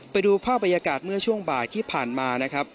ไปดูภาพบรรยากาศเมื่อช่วงบ่ายที่ผ่านมานะครับ